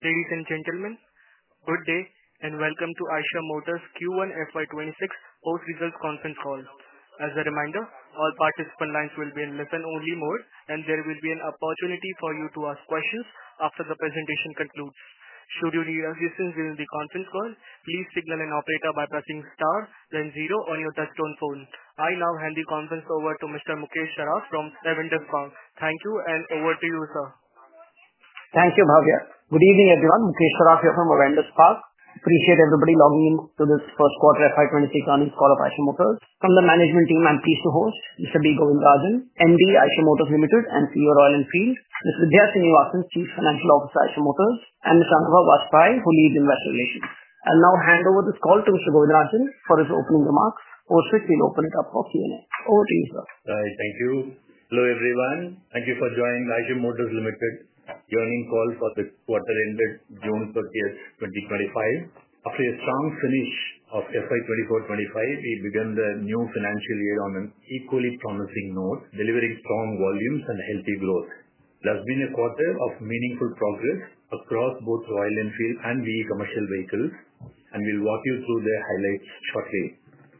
Ladies and gentlemen, good day and welcome to Eicher Motors' Q1 FY2026 Post-Results Conference Call. As a reminder, all participant lines will be in listen-only mode, and there will be an opportunity for you to ask questions after the presentation concludes. Should you need assistance during the conference call, please signal an operator by pressing star, then zero on your touch-tone phone. I now hand the conference over to Mr. MU.K.esh Saraf from Avendus Spark. Thank you, and over to you, sir. Thank you, Bhavya. Good evening, everyone. MU.K.esh Saraf here from Avendus Spark. Appreciate everybody logging in to this first quarter FY2026 earnings call of Eicher Motors. From the management team, I'm pleased to host Mr. B. Govindarajan, MD, Eicher Motors Limited and CEO Royal Enfield, Ms. Vidhya Srinivasan, Chief Financial Officer of Eicher Motors, and Mr. Anubhav Bajpai, who leads investor relations. I'll now hand over this call to Mr. Govindarajan for his opening remarks, or swiftly open it up for Q&A. Over to you, sir. Hi, thank you. Hello, everyone. Thank you for joining Eicher Motors Limited's earnings call for the quarter ended June 30th, 2025. After a strong finish of FY2024-2025, we began the new financial year on an equally promising note, delivering strong volumes and healthy growth. There has been a quarter of meaningful progress across both Royal Enfield and VE Commercial Vehicles, and we'll walk you through the highlights shortly.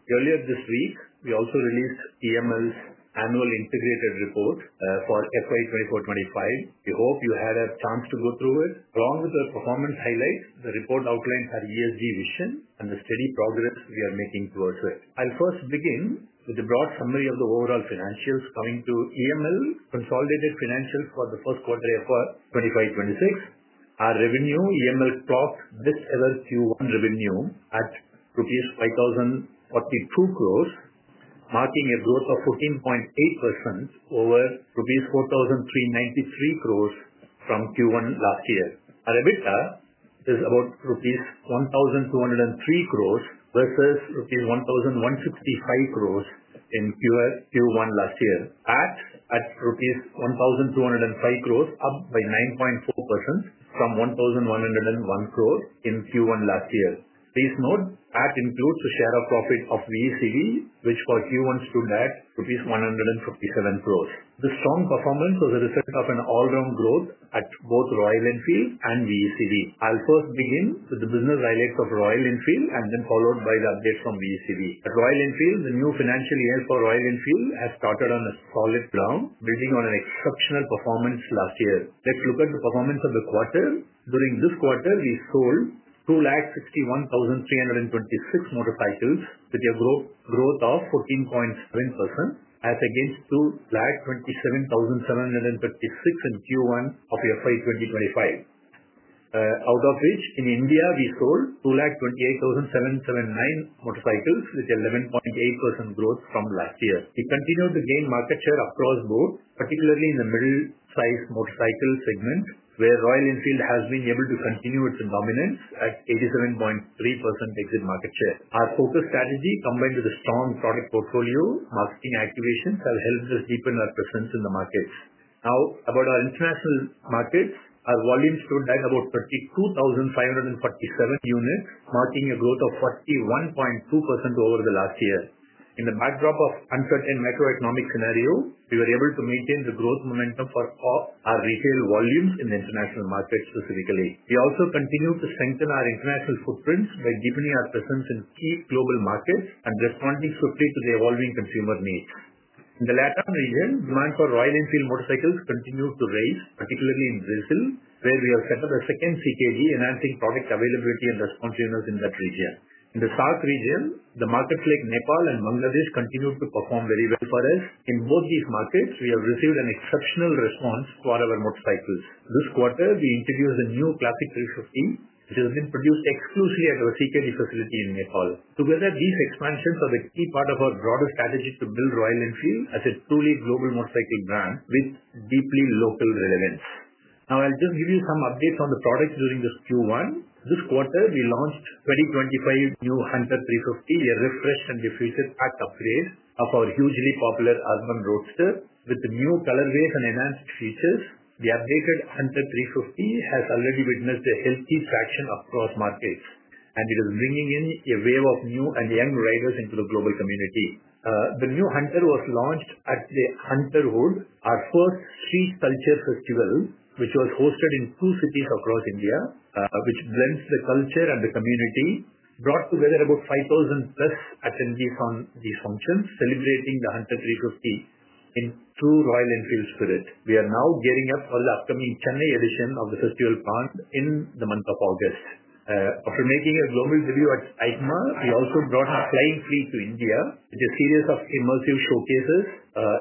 Earlier this week, we also released EML's annual integrated report for FY2024-2025. We hope you had a chance to go through it. Along with the performance highlights, the report outlines our ESG vision and the steady progress we are making towards it. I'll first begin with a broad summary of the overall financials coming to EML consolidated financials for the first quarter FY2026. Our revenue, EML clocked this year's Q1 revenue at rupees 5,042 crore, marking a growth of 14.8% over rupees 4,393 crore from Q1 last year. Our EBITDA is about rupees 1,203 crore versus rupees 1,165 crore in Q1 last year. That's at rupees 1,205 crore, up by 9.4% from 1,101 crore in Q1 last year. Please note, that includes a share of profit of VECV, which for Q1 stood at rupees 157 crore. The strong performance was a result of an all-round growth at both Royal Enfield and VECV. I'll first begin with the business highlights of Royal Enfield, and then followed by the updates from VECV. At Royal Enfield, the new financial year for Royal Enfield has started on a solid ground, building on an exceptional performance last year. Let's look at the performance of the quarter. During this quarter, we sold 261,326 motorcycles with a growth of 14.7%, as against 227,736 in Q1 of FY2025. Out of which, in India, we sold 228,779 motorcycles with an 11.8% growth from last year. We continued to gain market share across both, particularly in the middleweight segment, where Royal Enfield has been able to continue its dominance at 87.3% exit market share. Our focus strategy, combined with a strong product portfolio and marketing activations, has helped us deepen our presence in the markets. Now, about our international markets, our volume stood at about 32,547 units, marking a growth of 41.2% over the last year. In the backdrop of an uncertain macroeconomic scenario, we were able to maintain the growth momentum for our retail volumes in the international market specifically. We also continued to strengthen our international footprints by deepening our presence in key global markets and responding swiftly to the evolving consumer needs. In the Latam region, demand for Royal Enfield motorcycles continued to rise, particularly in Brazil, where we have set up a second CKD, enhancing product availability and responsiveness in that region. In the South region, the markets like Nepal and Bangladesh continued to perform very well for us. In both these markets, we have received an exceptional response for our motorcycles. This quarter, we introduced a new Classic 350, which has been produced exclusively at our CKD facility in Nepal. Together, these expansions are the key part of our broader strategy to build Royal Enfield as a truly global motorcycling brand with deeply local relevance. Now, I'll just give you some updates on the product during this Q1. This quarter, we launched the 2025 new Hunter 350, a refreshed and future pack pack upgrade of our hugely popular urban Roadster. With the new colorways and enhanced features, the updated Hunter 350 has already witnessed a healthy traction across markets, and it is bringing in a wave of new and young riders into the global community. The new Hunter was launched at the Hunter Hood, our first street culture festival, which was hosted in two cities across India, which blends the culture and the community. It brought together about 5,000+ attendees on these functions, celebrating the Hunter 350 in true Royal Enfield spirit. We are now gearing up for the upcoming Chennai edition of the festival pond in the month of August. After making a global debut at EICMA, we also brought Flying Flea to India with a series of immersive showcases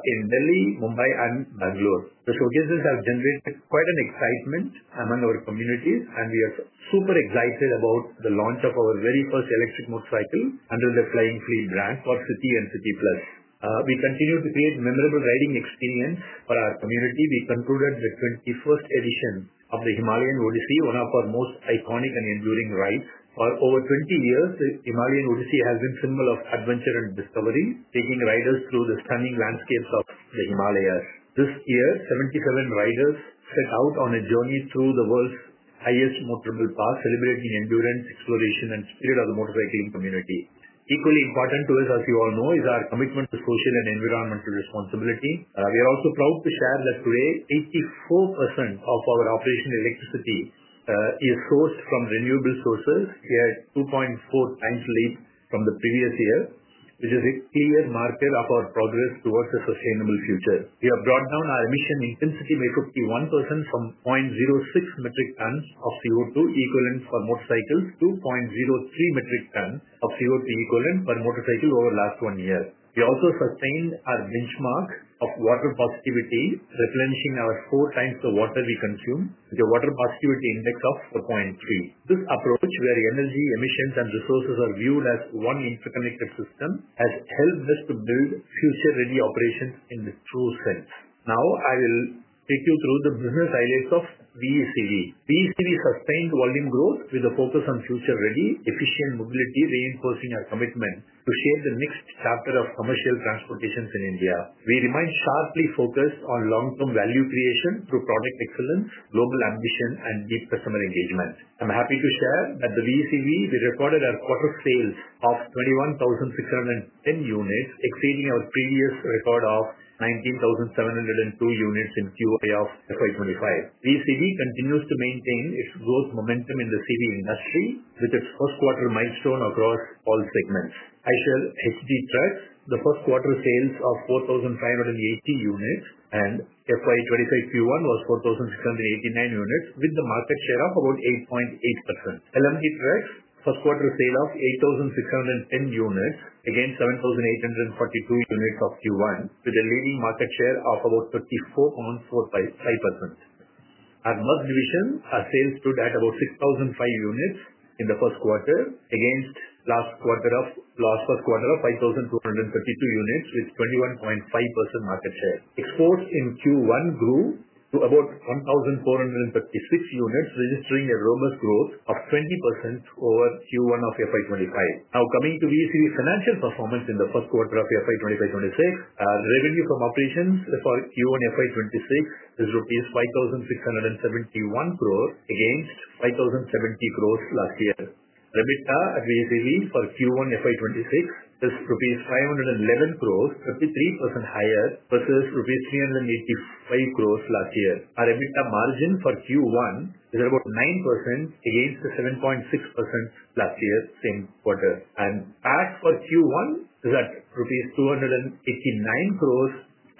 in Delhi, Mumbai, and Bangalore. The showcases have generated quite an excitement among our communities, and we are super excited about the launch of our very first electric motorcycle under the Flying Flea brand for City and City Plus. We continue to create memorable riding experiences for our community. We concluded the 21st edition of the Himalayan Odyssey, one of our most iconic and enduring rides. For over 20 years, the Himalayan Odyssey has been a symbol of adventure and discovery, taking riders through the stunning landscapes of the Himalayas. This year, 77 riders set out on a journey through the world's highest motorable path, celebrating endurance, exploration, and spirit of the motorcycling community. Equally important to us, as you all know, is our commitment to social and environmental responsibility. We are also proud to share that today, 84% of our operational electricity is sourced from renewable sources. We are at a 2.4 times leap from the previous year, which is a clear marker of our progress towards a sustainable future. We have brought down our emission intensity by 51% from 0.06 metric tons of CO2 equivalent for motorcycles to 0.03 metric tons of CO2 equivalent for motorcycles over the last one year. We also sustained our benchmark of water positivity, replenishing four times the water we consume, with a water positivity index of 4.3. This approach, where energy, emissions, and resources are viewed as one interconnected system, has helped us to build future-ready operations in the true sense. Now, I will take you through the business highlights of VECV. VECV sustained volume growth with a focus on future-ready, efficient mobility, reinforcing our commitment to shape the next chapter of commercial transportation in India. We remain sharply focused on long-term value creation through product excellence, global ambition, and deep customer engagement. I'm happy to share that at VECV, we recorded our quarter sales of 21,610 units, exceeding our previous record of 19,702 units in Q1 of FY2025. VECV continues to maintain its growth momentum in the CV industry with its first-quarter milestone across all segments. Eicher HD Trucks, the first-quarter sales of 4,580 units, and FY2025 Q1 was 4,689 units with a market share of about 8.8%. LMD Trucks, first-quarter sale of 8,610 units against 7,842 units of Q1, with a leading market share of about 34.45%. Our bus division, our sales stood at about 6,005 units in the first quarter against last first quarter of 5,232 units with 21.5% market share. Exports in Q1 grew to about 1,436 units, registering a robust growth of 20% over Q1 of FY2025. Now, coming to VECV's financial performance in the first quarter of FY2025-2026, our revenue from operations for Q1 FY2026 is rupees 5,671 crores against 5,070 crores last year. EBITDA at VECV for Q1 FY2026 is rupees 511 crores, 53% higher versus rupees 385 crores last year. Our EBITDA margin for Q1 is about 9% against the 7.6% last year, same quarter. PAT for Q1 is at rupees 289 crores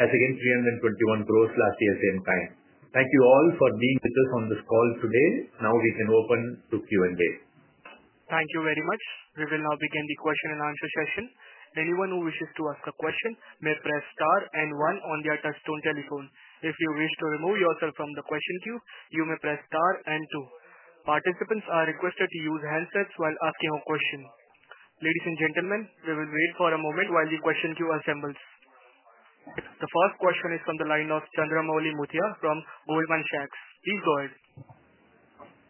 as against 321 crores last year, same time. Thank you all for being with us on this call today. Now we can open to Q&A. Thank you very much. We will now begin the question-and-answer session. Anyone who wishes to ask a question may press star and one on their touch-tone telephone. If you wish to remove yourself from the question queue, you may press star and two. Participants are requested to use handsets while asking a question. Ladies and gentlemen, we will wait for a moment while the question queue assembles. The first question is from the line of Chandramouli Muthiah from Goldman Sachs. Please go ahead.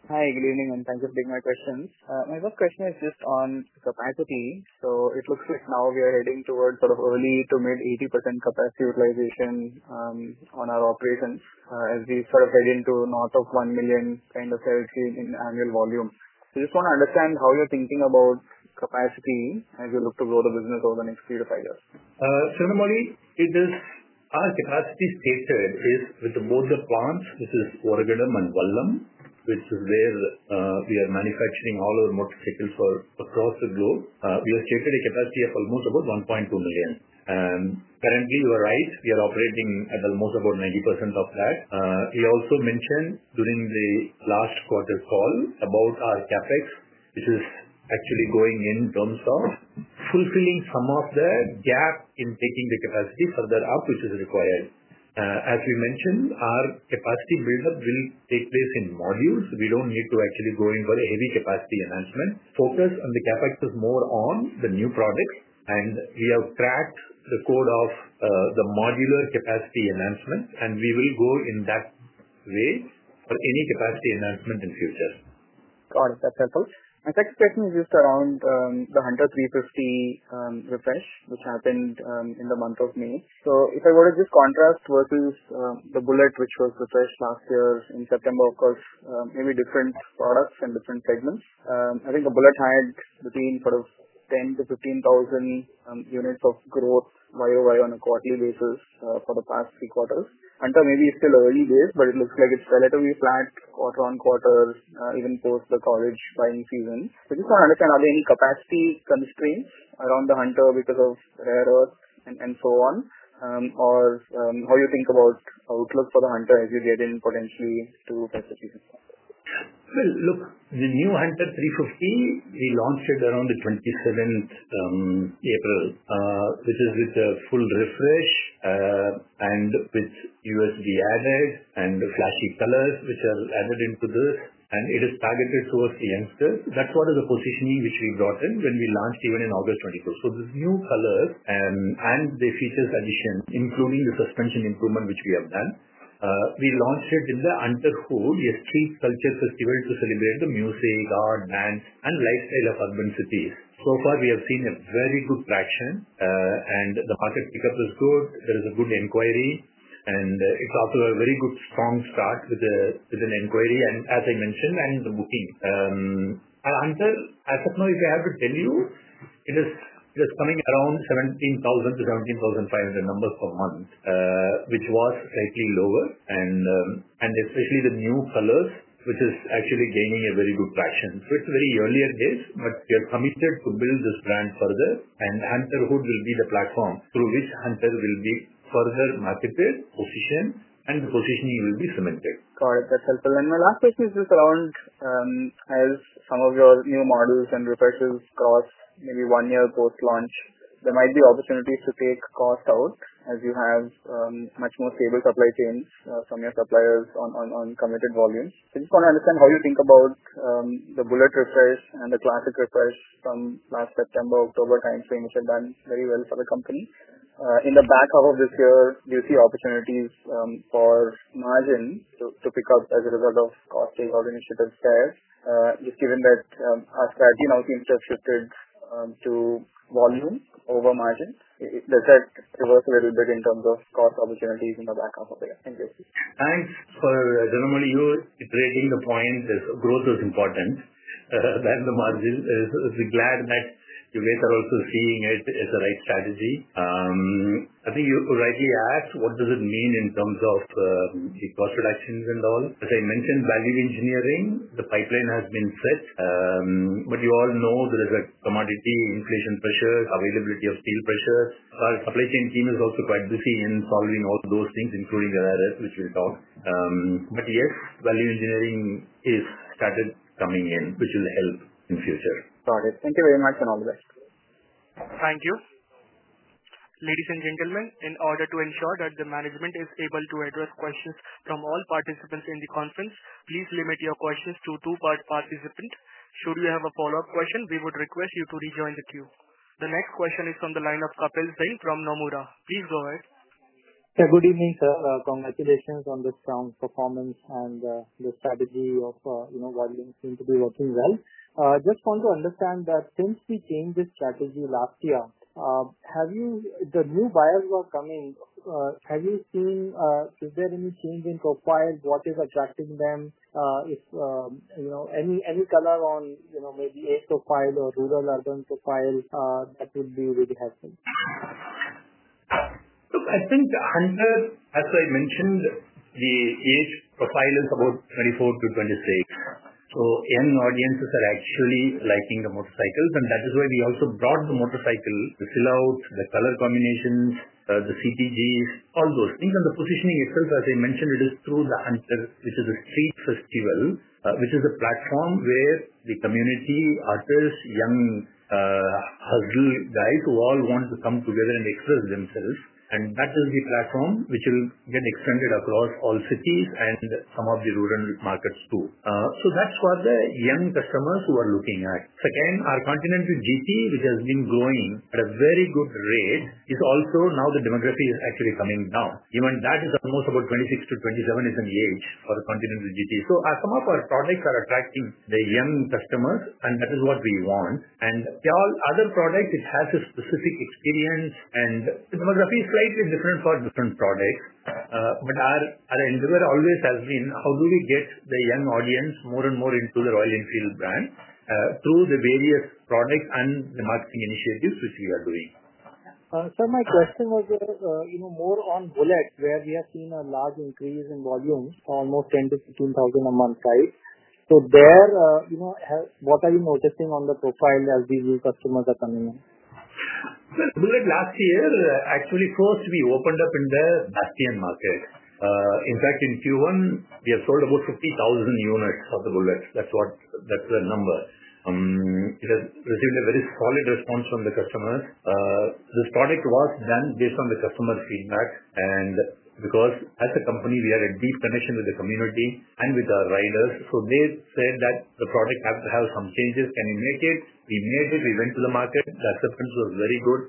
Hi, good evening, and thank you for taking my questions. My first question is just on capacity. It looks like now we are heading towards sort of early to mid-80% capacity utilization on our operations as we sort of head into north of 1 million kind of sales in annual volume. I just want to understand how you're thinking about capacity as you look to grow the business over the next three to five years. Chandramouli, our capacity stated is with both the plants, which is Oragadam and Vallam, which is where we are manufacturing all our motorcycles for across the globe. We have stated a capacity of almost about 1.2 million, and currently, you are right, we are operating at almost about 90% of that. We also mentioned during the last quarter call about our CapEx, which is actually going in terms of fulfilling some of the gap in taking the capacity further up, which is required. As we mentioned, our capacity buildup will take place in modules. We don't need to actually go in for a heavy capacity enhancement. Focus on the CapEx is more on the new products, and we have cracked the code of the modular capacity enhancement, and we will go in that way for any capacity enhancement in the future. Got it. That's helpful. My second question is just around the Hunter 350 refresh, which happened in the month of May. If I were to just contrast versus the Bullet, which was refreshed last year in September, of course, maybe different products and different segments. I think the Bullet had between 10,000-5,000 units of growth YoY on a quarterly basis for the past three quarters. Hunter may be still early days, but it looks like it's relatively flat quarter-on-quarter, even post-the-college buying season. I just want to understand, are there any capacity constraints around the Hunter because of rare earth and so on? How do you think about outlook for the Hunter as you get in potentially to Festive Season? The new Hunter 350, we launched it around the 27th April, which is with the full refresh, and with USB added and flashy colors which are added into this, and it is targeted towards the youngsters. That's what is the positioning which we brought in when we launched even in August 2022. These new colors and the features addition, including the suspension improvement which we have done, we launched it in the Hunter Hood, a street culture festival to celebrate the music, art, dance, and lifestyle of urban cities. So far, we have seen a very good traction, and the market pickup is good. There is a good inquiry, and it's also a very good strong start with an inquiry, and as I mentioned, and the booking. At Hunter, as of now, if I have to tell you, it is coming around 17,000-17,500 numbers per month, which was slightly lower, and especially the new colors, which is actually gaining a very good traction. It's very early at this, but we are committed to build this brand further, and Hunter Hood will be the platform through which Hunter will be further marketed, positioned, and the positioning will be cemented. Got it. That's helpful. My last question is just around as some of your new models and refreshes cross maybe one year post-launch, there might be opportunities to take cost out as you have much more stable supply chains from your suppliers on committed volumes. I just want to understand how you think about the Bullet refresh and the Classic refresh from last September-October timeframe, which had done very well for the company. In the back half of this year, do you see opportunities for margin to pick up as a result of cost-taking initiatives there? Just given that our strategy now seems to have shifted to volume over margin, does that reverse a little bit in terms of cost opportunities in the back half of the year? Thanks, Chandramouli. You're reading the point. Growth is important, then the margin. I'm glad that you guys are also seeing it as the right strategy. I think you rightly asked, what does it mean in terms of cost reductions and all? As I mentioned, value engineering, the pipeline has been set. You all know there is a commodity inflation pressure, availability of steel pressures. Our supply chain team is also quite busy in solving all those things, including rare earth, which we'll talk. Yes, value engineering is started coming in, which will help in the future. Got it. Thank you very much and all the best. Thank you. Ladies and gentlemen, in order to ensure that the management is able to address questions from all participants in the conference, please limit your questions to two per participant. Should you have a follow-up question, we would request you to rejoin the queue. The next question is from the line of Kapil Singh from Nomura. Please go ahead. Yeah, good evening, sir. Congratulations on this strong performance and the strategy of volume seems to be working well. Just want to understand that since we changed the strategy last year, have you, the new buyers who are coming, have you seen, is there any change in profile? What is attracting them? Any color on maybe age profile or rural urban profile, that would be really helpful. Look, I think Hunter, as I mentioned, the age profile is about 24-26 [years]. Young audiences are actually liking the motorcycles, and that is why we also brought the motorcycle, the silhouette, the color combinations, the CTGs, all those things. The positioning itself, as I mentioned, is through the Hunter, which is a street festival, a platform where the community, artists, young hustle guys who all want to come together and express themselves. That is the platform which will get extended across all cities and some of the rural markets too. That's what the young customers are looking at. Second, our Continental GT, which has been growing at a very good rate, is also now, the demography is actually coming down. Even that is almost about 26-27 is an age for Continental GT. Some of our products are attracting the young customers, and that is what we want. All other products have a specific experience, and the demography is slightly different for different products. Our endeavor always has been, how do we get the young audience more and more into the Royal Enfield brand through the various products and the marketing initiatives which we are doing. Sir, my question was more on Bullet, where we have seen a large increase in volume, almost 10,000-15,000 a month, right? What are you noticing on the profile as these new customers are coming in? Bullet last year, actually, first we opened up in the Bastion market. In fact, in Q1, we have sold about 50,000 units of the Bullet. That's the number. It has received a very solid response from the customers. This product was done based on the customer feedback. As a company, we are in deep connection with the community and with our riders, so they said that the product had to have some changes. Can you make it? We made it. We went to the market. The acceptance was very good.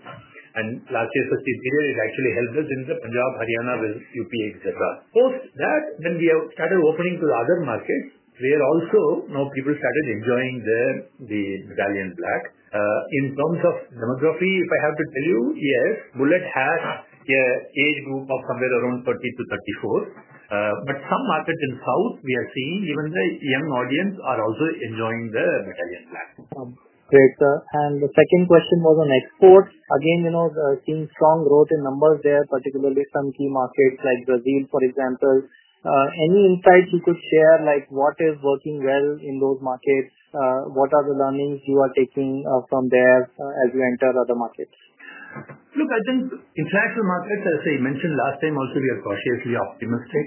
Last year's festive period actually helped us in Punjab, Haryana, UP, etc. Post that, we started opening to the other markets, where also now people started enjoying the Battalion Black. In terms of demography, if I have to tell you, yes, Bullet has an age group of somewhere around 30-34. Some markets in the south, we are seeing even the young audience are also enjoying the Battalion Black. Great, sir. The second question was on exports. Again, seeing strong growth in numbers there, particularly some key markets like Brazil, for example. Any insights you could share, like what is working well in those markets? What are the learnings you are taking from there as you enter other markets? Look, I think international markets, as I mentioned last time also, we are cautiously optimistic.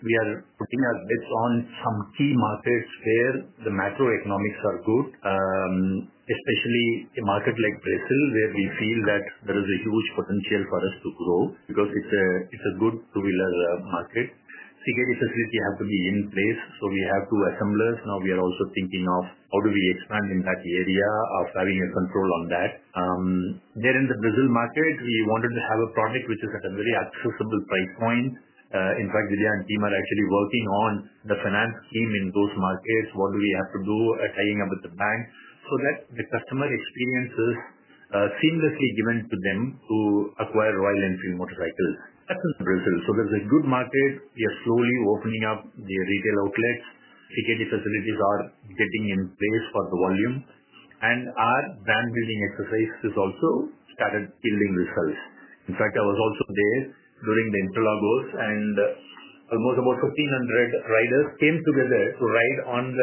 We are putting our bets on some key markets where the macroeconomics are good, especially a market like Brazil, where we feel that there is a huge potential for us to grow because it's a good two-wheeler market. CKD facility has to be in place, so we have two assemblers. Now we are also thinking of how do we expand in that area of Having a control on that. There in the Brazil market, we wanted to have a product which is at a very accessible price point. In fact, Vidhya and team are actually working on the finance scheme in those markets. What do we have to do, tying up with the bank, so that the customer experience is seamlessly given to them to acquire Royal Enfield motorcycles. That's in Brazil. There is a good market. We are slowly opening up the retail outlets. CKD facilities are getting in place for the volume, and our brand building exercise has also started yielding results. In fact, I was also there during the interlogues, and almost about 1,500 riders came together to ride on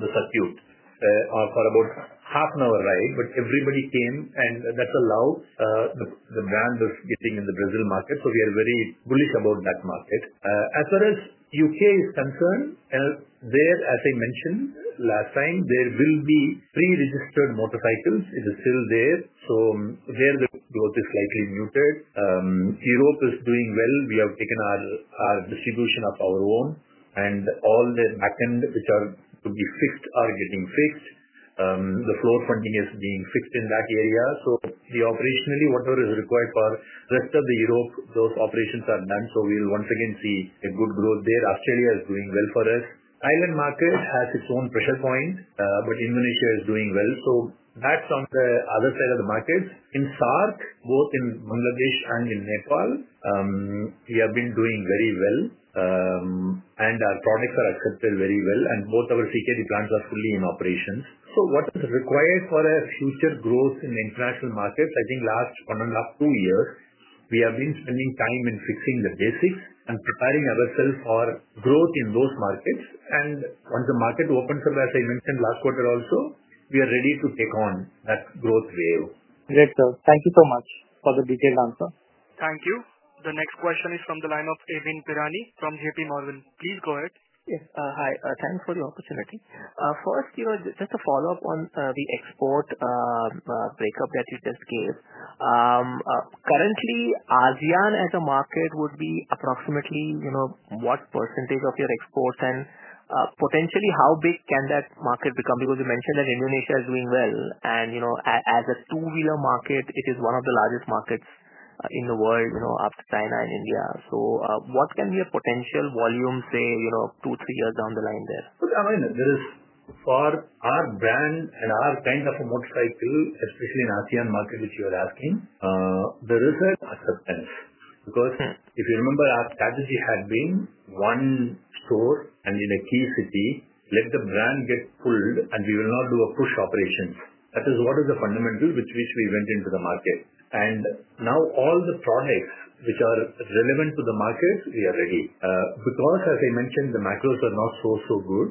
the circuit for about half an hour ride. Everybody came, and that's allowed. The brand is getting in the Brazil market, so we are very bullish about that market. As far as U.K. is concerned, as I mentioned last time, there will be pre-registered motorcycles. It is still there. There, the growth is slightly muted. Europe is doing well. We have taken our distribution up our own, and all the backend, which are to be fixed, are getting fixed. The floor funding is being fixed in that area. Operationally, whatever is required for the rest of Europe, those operations are done. We will once again see a good growth there. Australia is doing well for us. Thailand market has its own pressure point, but Indonesia is doing well. That's on the other side of the markets. In SAARC, both in Bangladesh and in Nepal, we have been doing very well, and our products are accepted very well. Both of our CKD plants are fully in operations. What is required for a future growth in the international markets, I think last one-two years, we have been spending time in fixing the basics and preparing ourselves for growth in those markets. Once the market opens, as I mentioned last quarter also, we are ready to take on that growth wave. Great, sir. Thank you so much for the detailed answer. Thank you. The next question is from the line of Amyn Pirani from JP Morgan. Please go ahead. Yes. Hi. Thanks for the opportunity. First, just a follow-up on the export breakup that you just gave. Currently, ASEAN as a market would be approximately what percentage of your exports? Potentially, how big can that market become? You mentioned that Indonesia is doing well. As a two-wheeler market, it is one of the largest markets in the world after China and India. What can be a potential volume, say, two-three years down the line there? Look, Amin, there is for our brand and our kind of a motorcycle, especially in the ASEAN market, which you are asking, there is acceptance. If you remember, our strategy had been one store in a key city, let the brand get pulled, and we will not do a push operation. That is the fundamental with which we went into the market. Now all the products which are relevant to the market, we are ready. As I mentioned, the macros are not so, so good.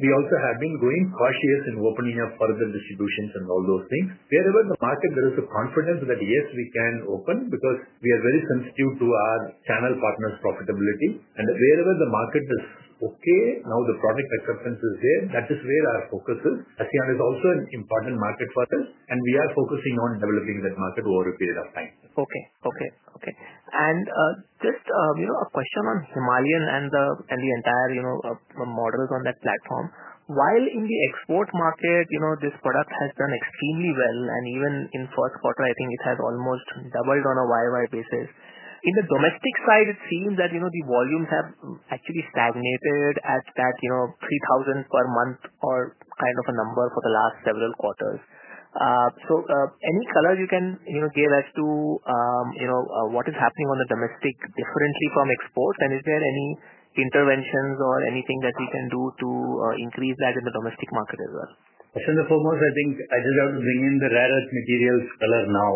We also have been going cautious in opening up further distributions and all those things. Wherever the market, there is a confidence that yes, we can open because we are very sensitive to our channel partners' profitability. Wherever the market is okay, now the product acceptance is there. That is where our focus is. ASEAN is also an important market for us, and we are focusing on developing that market over a period of time. Okay. Okay. Just a question on Himalayan and the entire models on that platform. While in the export market, this product has done extremely well, and even in first quarter, I think it has almost doubled on a year-on-year basis. In the domestic side, it seems that the volumes have actually stagnated at that 3,000 per month or kind of a number for the last several quarters. Any color you can give as to what is happening on the domestic differently from exports? Is there any interventions or anything that we can do to increase that in the domestic market as well? First and foremost, I think I just have to bring in the rare earth materials color now.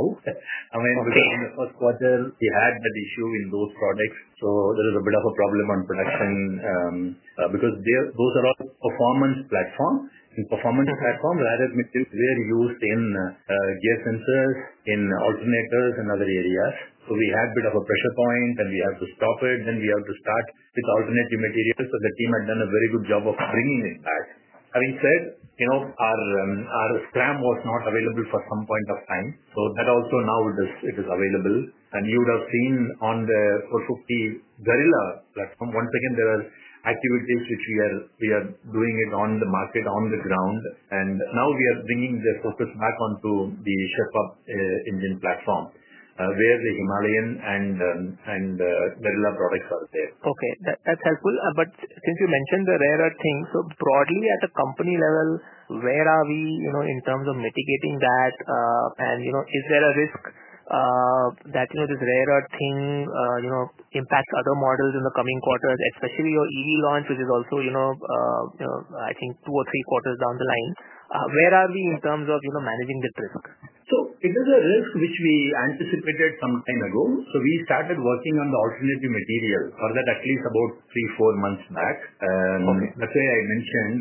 I mean, because in the first quarter, we had that issue in those products. There is a bit of a problem on production because those are all performance platforms. In performance platforms, rare earth materials were used in gear sensors, in alternators, and other areas. We had a bit of a pressure point, and we have to stop it. We have to start with alternative materials. The team had done a very good job of bringing it back. Having said said, our Scram was not available for some point of time. That also now it is available. You would have seen on the Guerrilla 450 platform, once again, there are activities which we are doing on the market, on the ground. Now we are bringing the focus back onto the Sherpa engine platform, where the Himalayan and Guerrilla products are there. Okay, that's helpful. Since you mentioned the rare earth thing, broadly at a company level, where are we in terms of mitigating that? Is there a risk that this rare earth thing impacts other models in the coming quarters, especially your EV launch, which is also, I think, two or three quarters down the line? Where are we in terms of managing this risk? It is a risk which we anticipated some time ago. We started working on the alternative material for that at least about three-four months back. As I mentioned,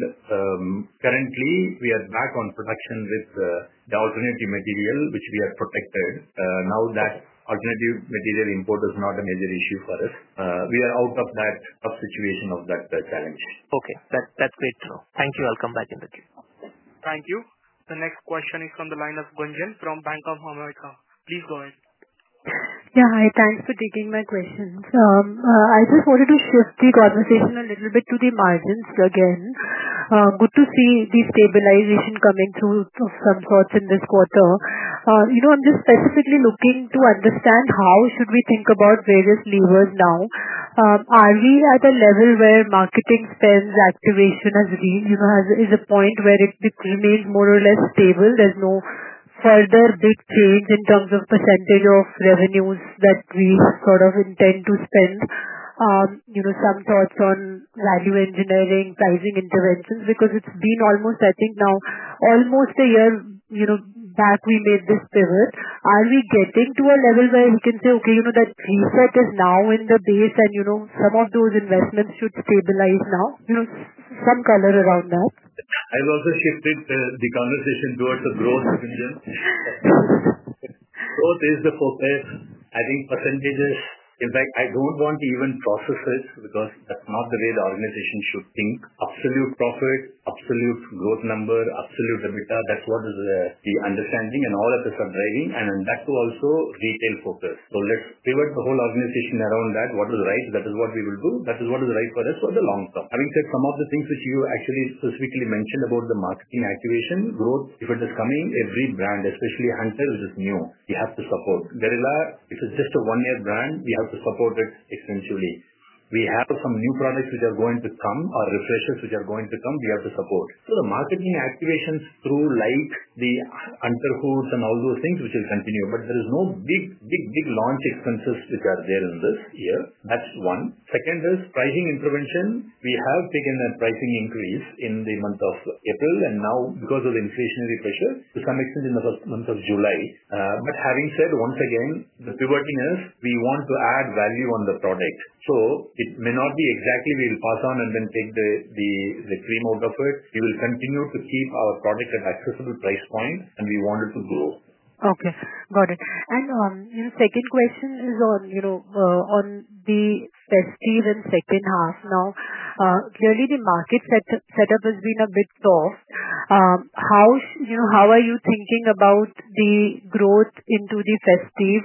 currently we are back on production with the alternative material, which we have protected. Now that alternative material import is not a major issue for us. We are out of that situation of that challenge. Okay, that's great, sir. Thank you. I'll come back in a bit. Thank you. The next question is from the line of Gunjan from Bank of America. Please go ahead. Yeah. Hi. Thanks for taking my questions. I just wanted to shift the conversation a little bit to the margins again. Good to see the stabilization coming through of some sorts in this quarter. I'm just specifically looking to understand how should we think about various levers now? Are we at a level where marketing spends activation as a point where it remains more or less stable? There's no further big change in terms of percentageof revenues that we sort of intend to spend. Some thoughts on value engineering, pricing interventions, because it's been almost, I think, now almost a year back we made this pivot. Are we getting to a level where we can say, okay, that reset is now in the base and some of those investments should stabilize now? Some color around that. I've also shifted the conversation towards the growth, Gunjan. Growth is the focus. I think percentages, in fact, I don't want to even process it because that's not the way the organization should think. Absolute profit, absolute growth number, absolute EBITDA, that's what is the understanding. All of us are driving, and that too also retail focus. Let's pivot the whole organization around that. What is right? That is what we will do. That is what is right for us for the long term. Having said some of the things which you actually specifically mentioned about the marketing activation, growth, if it is coming, every brand, especially Hunter, which is new, we have to support. Guerrilla, if it's just a one-year brand, we have to support it extensively. We have some new products which are going to come, or refreshers which are going to come, we have to support. The marketing activations through like the Hunter Hood street culture festival and all those things, which will continue. There is no big, big, big launch expenses which are there in this year. That's one. Second is pricing intervention. We have taken that pricing increase in the month of April and now because of the inflationary pressure, to some extent in the month of July. Having said, once again, the pivoting is we want to add value on the product. It may not be exactly we will pass on and then take the cream out of it. We will continue to keep our product at accessible price point, and we want it to grow. Okay. Got it. Second question is on the festive and second half now. Clearly, the market setup has been a bit soft. How are you thinking about the growth into the festive?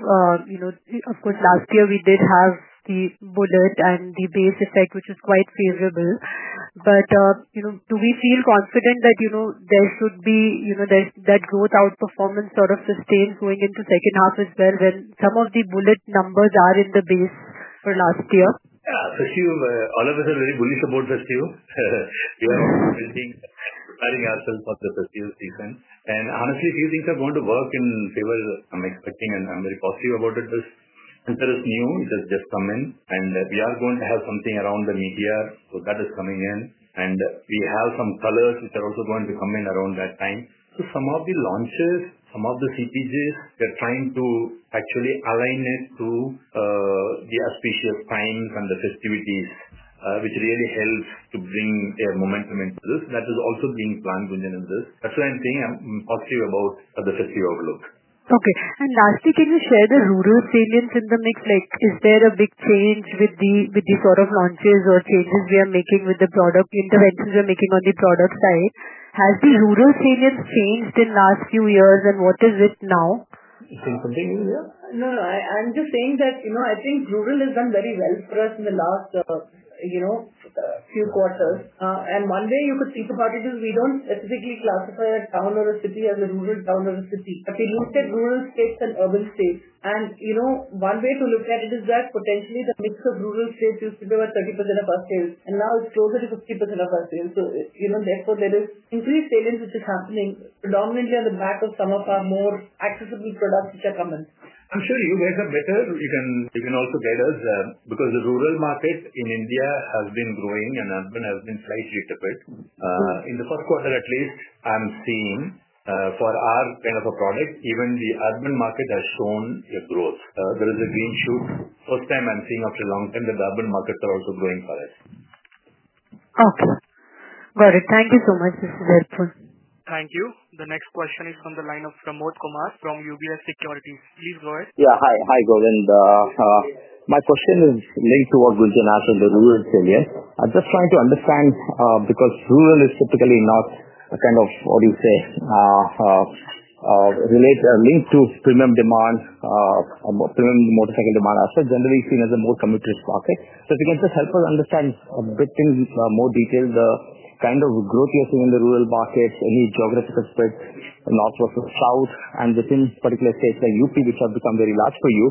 Of course, last year we did have the Bullet and the base effect, which was quite favorable. Do we feel confident that there should be that growth outperformance sort of sustains going into second half as well when some of the Bullet numbers are in the base for last year? Yeah. All of us are very bullish about festive. We are also preparing ourselves for the festive season. Honestly, a few things are going to work in favor. I'm expecting, and I'm very positive about it. Hunter is new. It has just come in. We are going to have something around the media. That is coming in. We have some colors which are also going to come in around that time. Some of the launches, some of the CTGs, we are trying to actually align it to the auspicious times and the festivities, which really helps to bring a momentum into this. That is also being planned, Gunjan, in this. That's why I'm saying I'm positive about the festive outlook. Okay. Lastly, can you share the rural salience in the mix? Is there a big change with the sort of launches or changes we are making with the product interventions we are making on the product side? Has the rural salience changed in the last few years, and what is it now? You can continue, Vidhya. No, no. I'm just saying that I think rural has done very well for us in the last few quarters. One way you could think about it is we don't specifically classify a town or a city as a rural town or a city, but we looked at rural states and urban states. One way to look at it is that potentially the mix of rural states used to be about 30% of our sales, and now it's closer to 50% of our sales. Therefore, there is increased salience which is happening predominantly on the back of some of our more accessible products which are coming. I'm sure you guys are better. You can also get us because the rural market in India has been growing and urban has been slightly tipped. In the first quarter, at least, I'm seeing for our kind of a product, even the urban market has shown a growth. There is a green shoot. First time I'm seeing after a long time that the urban markets are also growing for us. Okay. Got it. Thank you so much. This is helpful. Thank you. The next question is from the line of Pramod Kumar from UBS Securities. Please go ahead. Yeah. Hi, Govind. My question is linked to what Gunjin asked on the rural salience. I'm just trying to understand because rural is typically not a kind of, what do you say, linked to premium demand. Premium motorcycle demand is generally seen as a more commuters' market. If you can just help us understand a bit in more detail the kind of growth you're seeing in the rural markets, any geographical split north versus south, and within particular states like UP, which have become very large for you,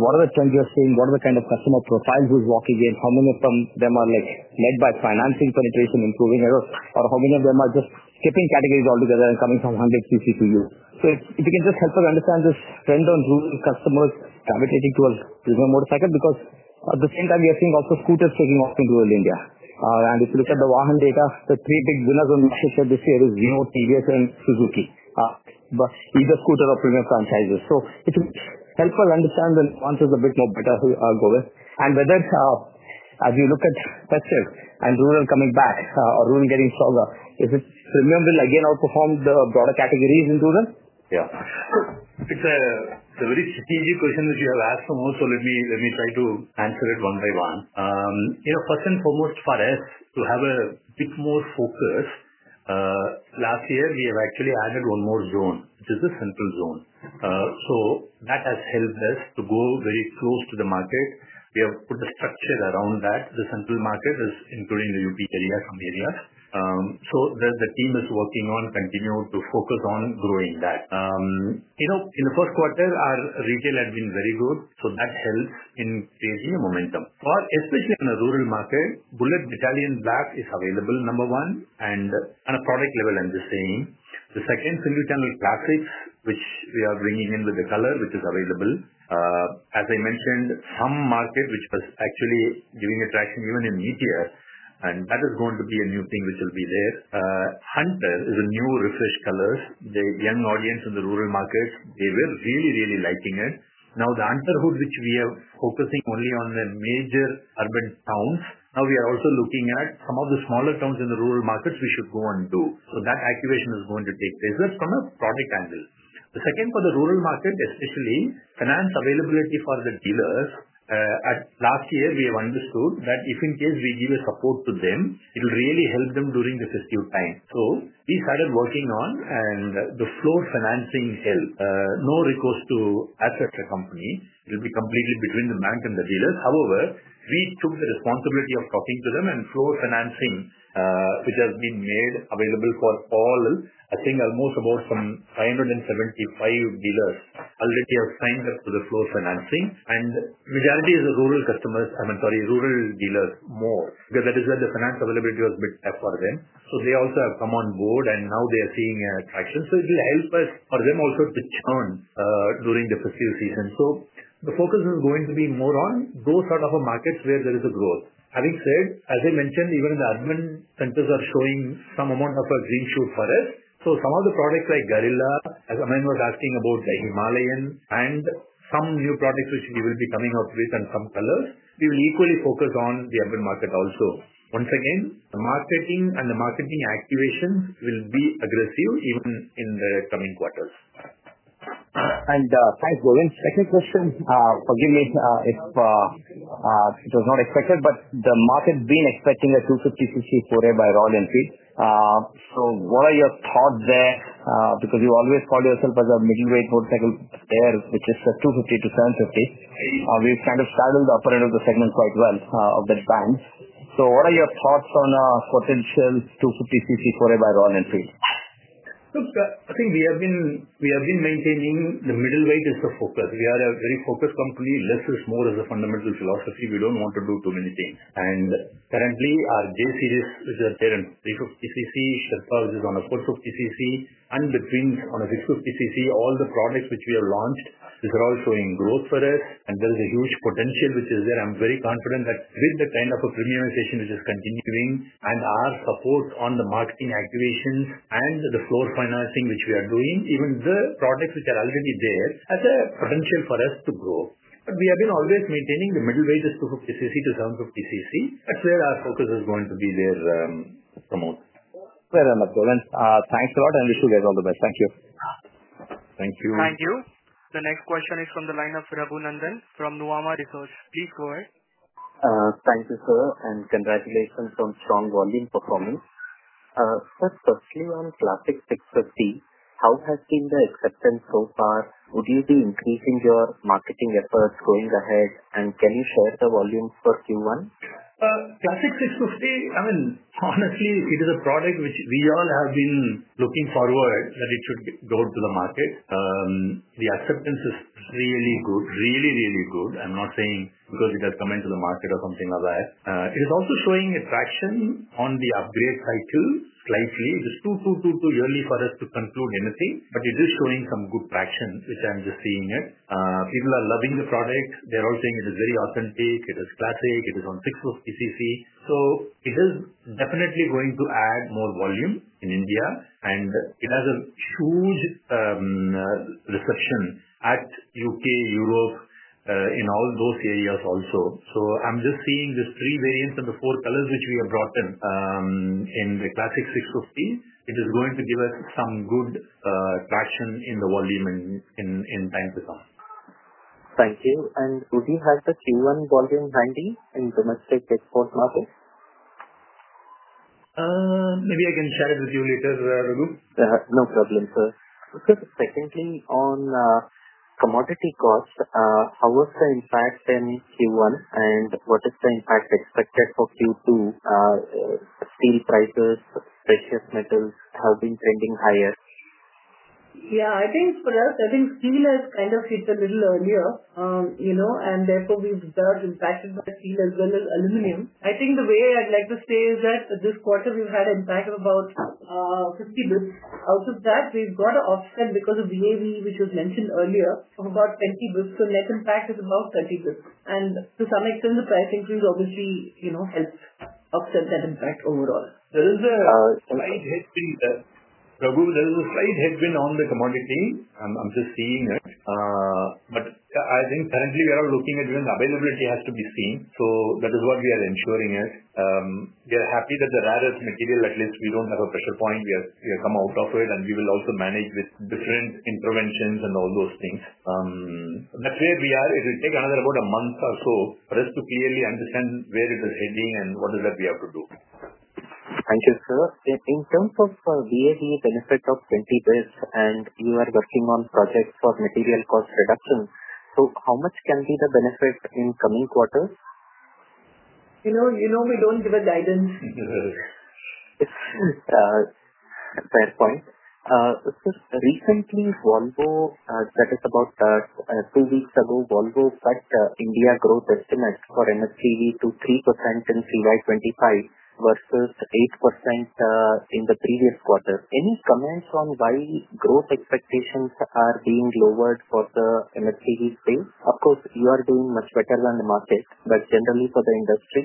what are the trends you're seeing? What are the kind of customer profiles who's walking in? How many of them are led by financing penetration, improving areas, or how many of them are just skipping categories altogether and coming from 100 cc to you? If you can just help us understand this trend on rural customers gravitating towards premium motorcycle, because at the same time, we are seeing also scooters taking off in rural India. If you look at the Vahan data, the three big winners on market share this year are Hero, TVS, and Suzuki, but either scooter or premium franchises. If you help us understand the nuances a bit more better, Govind, and whether as you look at festive and rural coming back or rural getting stronger, is it premium will again outperform the broader categories in rural? Yeah. It's a very strategic question that you have asked, Pramod. Let me try to answer it one by one. First and foremost, for us to have a bit more focus. Last year, we have actually added one more zone, which is the central zone. That has helped us to go very close to the market. We have put a structure around that. The central market is including the UP area, some areas. The team is working on continuing to focus on growing that. In the first quarter, our retail had been very good. That helps in creating momentum. Especially in the rural market, Bullet Battalion Black is available, number one, and on a product level, I'm just saying. The second, Singleton Classics, which we are bringing in with the color which is available. As I mentioned, some market which was actually giving attraction even in media, and that is going to be a new thing which will be there. Hunter is a new refresh color. The young audience in the rural markets, they were really, really liking it. Now the Hunter Hood, which we are focusing only on the major urban towns, now we are also looking at some of the smaller towns in the rural markets we should go and do. That activation is going to take place from a product angle. The second for the rural market, especially finance availability for the dealers. Last year, we have understood that if in case we give support to them, it will really help them during the festive time. We started working on, and the floor financing help. No recourse to asset a company. It will be completely between the bank and the dealers. However, we took the responsibility of talking to them, and floor financing, which has been made available for all, I think almost about some 575 dealers already have signed up for the floor financing. The majority is the rural dealers more, because that is where the finance availability was built up for them. They also have come on board, and now they are seeing attraction. It will help us for them also to churn during the festive season. The focus is going to be more on those sort of markets where there is a growth. Having said, as I mentioned, even the urban centers are showing some amount of a green shoot for us. Some of the products like Guerrilla, as Aman was asking about, the Himalayan, and some new products which we will be coming up with and some colors, we will equally focus on the urban market also. Once again, the marketing and the marketing activations will be aggressive even in the coming quarters. Thanks, Govind. Second question. Forgive me if it was not expected, but the market's been expecting a 250 cc foray by Royal Enfield. What are your thoughts there? You always call yourself a middleweight motorcycle player, which is a 250 cc-750 cc. We've kind of started the upper end of the segment quite well of that band. What are your thoughts on a potential 250 cc foray by Royal Enfield? Look, I think we have been maintaining the middleweight is the focus. We are a very focused company. Less is more is a fundamental philosophy. We don't want to do too many things. Currently, our J series, which is a 350 cc, Sherpa, which is on a 450 cc, and the twins on a 650 cc, all the products which we have launched, these are all showing growth for us. There is a huge potential which is there. I'm very confident that with the kind of a premiumization which is continuing and our support on the marketing activations and the floor financing which we are doing, even the products which are already there has a potential for us to grow. We have been always maintaining the middleweight is 250 cc-750cc. That's where our focus is going to be there, Pramod. Very much, Govind. Thanks a lot, and wish you guys all the best. Thank you. Thank you. Thank you. The next question is from the line of Raghunandan from Nuvama Research. Please go ahead. Thank you, sir. Congratulations on strong volume performance. Firstly, on Classic 650, how has been the acceptance so far? Would you be increasing your marketing efforts going ahead, and can you share the volume for Q1? Classic 650, I mean, honestly, it is a product which we all have been looking forward that it should go to the market. The acceptance is really good, really, really good. I'm not saying because it has come into the market or something like that. It is also showing traction on the upgrade cycle slightly. It is too early for us to conclude anything, but it is showing some good traction, which I'm just seeing. People are loving the product. They're all saying it is very authentic. It is classic. It is on 650 cc. It is definitely going to add more volume in India, and it has a huge reception at U.K., Europe, in all those areas also. I'm just seeing these three variants and the four colors which we have brought in. In the Classic 650, it is going to give us some good traction in the volume in time to come. Thank you. Would you have the Q1 volume handy in domestic export market? Maybe I can share it with you later, Raghu. No problem, sir. Secondly, on commodity cost, how was the impact in Q1, and what is the impact expected for Q2? Steel prices, precious metals have been trending higher. I think for us, steel has kind of hit a little earlier. Therefore, we've been impacted by steel as well as aluminum. The way I'd like to say is that this quarter, we've had an impact of about 50 bps. Out of that, we've got an offset because of VAV, which was mentioned earlier, of about 20 bps. Net impact is about 30 bps. To some extent, the price increase obviously helps offset that impact overall. There is a slight headwind on the commodity. I'm just seeing it. I think currently, we are all looking at even the availability has to be seen. That is what we are ensuring is. We are happy that the rarest material, at least we don't have a pressure point. We have come out of it, and we will also manage with different interventions and all those things. That's where we are. It will take another about a month or so for us to clearly understand where it is heading and what is that we have to do. Thank you, sir. In terms of VAV benefit of 20 bps, and you are working on projects for material cost reduction, how much can be the benefit in coming quarters? You know we don't give a guidance. Fair point. recently, Volvo, that is about two weeks ago, Volvo cut India growth estimates for MSCV to 3% in CY2025 versus 8% in the previous quarter. Any comments on why growth expectations are being lowered for the MHCV space? Of course, you are doing much better than the market, but generally for the industry?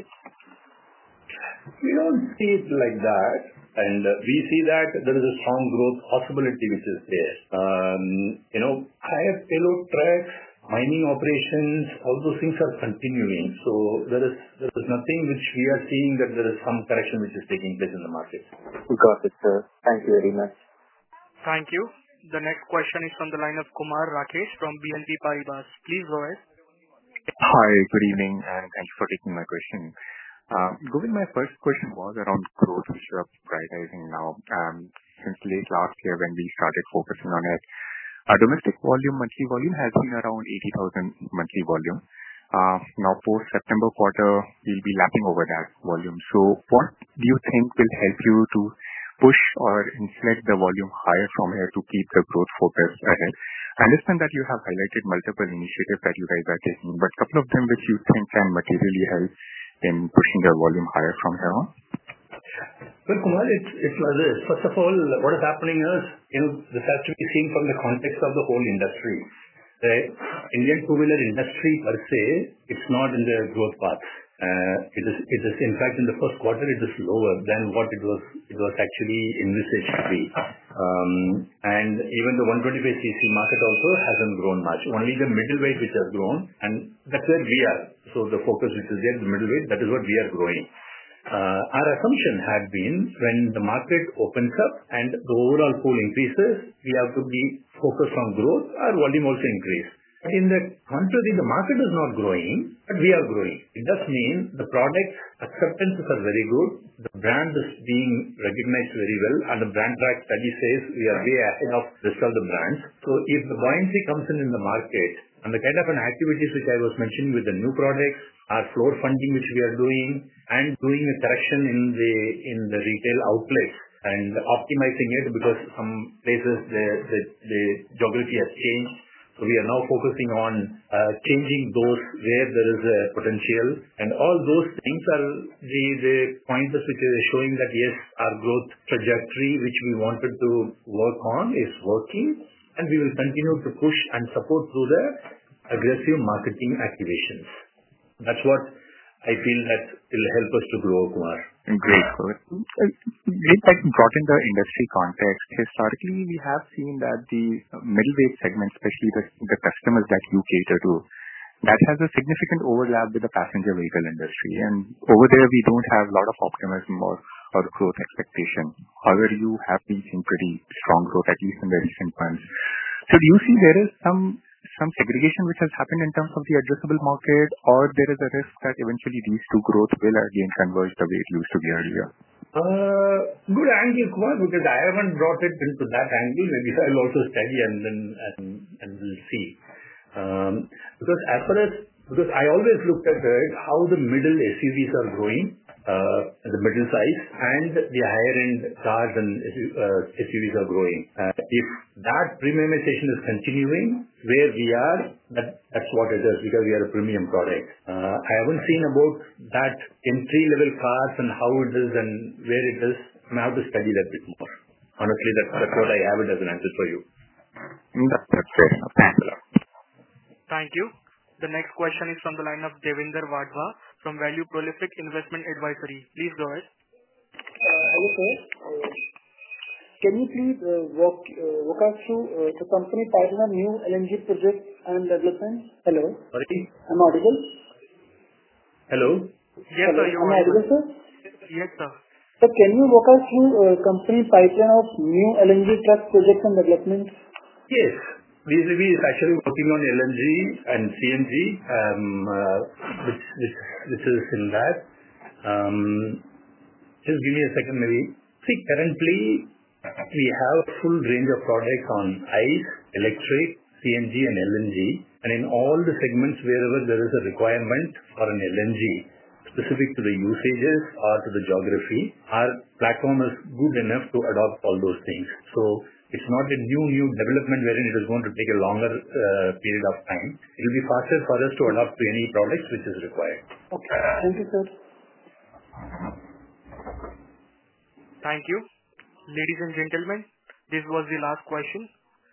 We don't see it like that. We see that there is a strong growth possibility which is there. Higher payload trucks, mining operations, all those things are continuing. There is nothing which we are seeing that there is some correction which is taking place in the market. Got it, sir. Thank you very much. Thank you. The next question is from the line of Kumar Rakesh from BNP Paribas. Please go ahead. Hi, good evening, and thank you for taking my question. Govind, my first question was around growth, which you are prioritizing now. Since late last year when we started focusing on it, our domestic volume, monthly volume has been around 80,000 monthly volume. Now, for September quarter, we'll be lapping over that volume. What do you think will help you to push or inflate the volume higher from here to keep the growth focus ahead? I understand that you have highlighted multiple initiatives that you guys are taking, but a couple of them which you think can materially help in pushing the volume higher from here on? Kumar, it's like this. First of all, what is happening is this has to be seen from the context of the whole industry. The Indian two-wheeler industry per se, it's not in the growth path. In fact, in the first quarter, it is lower than what it was actually envisaged to be. Even the 125 cc market also hasn't grown much. Only the middleweight, which has grown, and that's where we are. The focus which is there, the middleweight, that is what we are growing. Our assumption had been when the market opens up and the overall pool increases, we have to be focused on growth, our volume also increase. In the contrary, the market is not growing, but we are growing. It does mean the product acceptances are very good. The brand is being recognized very well. The brand track study says we are way ahead of the rest of the brands. If the buoyancy comes in in the market and the kind of activities which I was mentioning with the new products, our floor funding which we are doing, and doing a correction in the retail outlets and optimizing it because some places, the geography has changed. We are now focusing on changing those where there is a potential. All those things are the pointers which are showing that, yes, our growth trajectory which we wanted to work on is working, and we will continue to push and support through the aggressive marketing activations. That's what I feel that will help us to grow, Kumar. Great, Govind. Great that you brought in the industry context. Historically, we have seen that the middleweight segment, especially the customers that you cater to, has a significant overlap with the passenger vehicle industry. Over there, we don't have a lot of optimism or growth expectation. However, you have been seeing pretty strong growth, at least in the recent months. Do you see there is some segregation which has happened in terms of the addressable market, or is there a risk that eventually these two growth will again converge the way it used to be earlier? Good angle, Kumar, because I haven't brought it into that angle. Maybe I'll also study and then we'll see. I always looked at how the middle SUVs are growing, the middle size, and the higher-end cars and SUVs are growing. If that premiumization is continuing where we are, that's what it is because we are a premium product. I haven't seen about that entry-level cars and how it is and where it is. I'm going to have to study that a bit more. Honestly, that's what I have; it doesn't answer for you. That's fair. Thank you. Thank you. The next question is from the line of Devender Wadhwa from Value Prolific Investment Advisory. Please go ahead. Hello, sir. Can you please walk us through the company pipeline, new LNG projects and developments? Hello. Sorry? I'm audible. Hello. Yes, sir. You're audible, sir? Yes, sir. Can you walk us through the company pipeline of new LNG truck projects and developments? Yes. Basically, we are actually working on LNG and CNG, which is in that. Currently, we have a full range of products on ICE, electric, CNG, and LNG. In all the segments wherever there is a requirement for an LNG, specific to the usages or to the geography, our platform is good enough to adopt all those things. It is not a new development wherein it is going to take a longer period of time. It will be faster for us to adopt any products which is required. Okay, thank you, sir. Thank you. Ladies and gentlemen, this was the last question.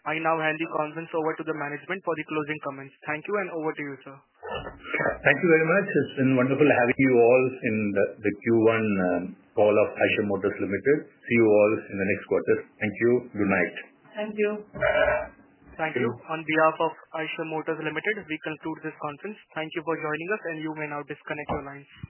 I now hand the conference over to the management for the closing comments. Thank you, and over to you, sir. Thank you very much. It's been wonderful Having you all in the Q1 call of Eicher Motors Limited. See you all in the next quarter. Thank you. Good night. Thank you. Thank you. On behalf of Eicher Motors Limited, we conclude this conference. Thank you for joining us, and you may now disconnect your lines.